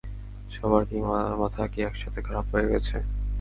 সবার মাথা কি একসাথে খারাপ হয়ে গেছে?